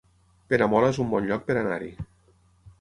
Peramola es un bon lloc per anar-hi